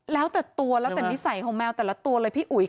แล้วแต่ตัวแล้วแต่นิสัยของแมวแต่ละตัวเลยพี่อุ๋ย